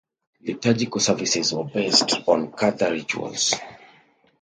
Liturgical services were based on Cathar rituals.